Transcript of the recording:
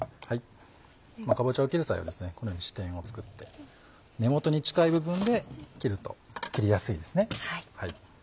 かぼちゃを切る際はこのように支点をつくって根元に近い部分で切ると切りやすいですね。